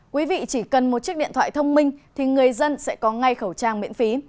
quý vị chỉ cần một chiếc điện thoại thông minh thì người dân sẽ có ngay khẩu trang miễn phí